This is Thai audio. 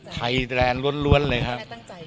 ไทยแรงล้วนเลยครับ